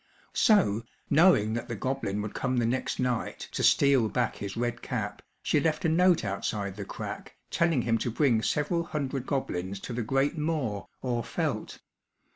So, knowing that the goblin would come the next night, to steal back his red cap, she left a note outside the crack, telling him to bring several hundred goblins to the great moor, or veldt.